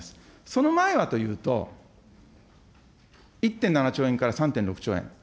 その前はというと、１．７兆円から３．６兆円。